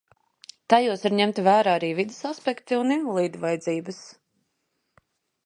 Tajos ir ņemti vērā arī vides aspekti un invalīdu vajadzības.